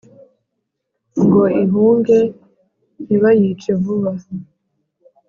ngo ihunge ntibayice vuba